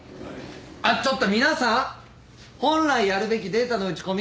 あっちょっと皆さん本来やるべきデータの打ち込みたまりにたまって。